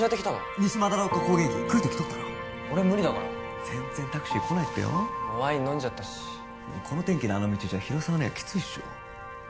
西斑丘高原駅来るとき通ったろ俺無理だから全然タクシー来ないってよもうワイン飲んじゃったしこの天気であの道じゃ広沢にはキツいっしょ